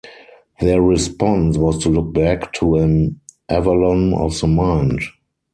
Their response was to look back to an Avalon of the mind.